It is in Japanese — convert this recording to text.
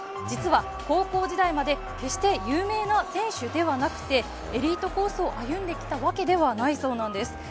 実は高校時代まで決して有名な選手ではなくてエリートコースを歩んできたわけではないそうなんです。